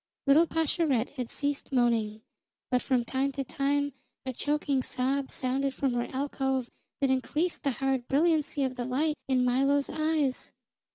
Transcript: Little Pascherette had ceased moaning, but from time to time a choking sob sounded from her alcove that increased the hard brilliancy of the light in Milo's eyes.